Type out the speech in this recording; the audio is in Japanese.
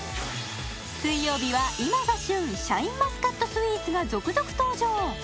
水曜日は今が旬シャインマスカットスイーツが続々登場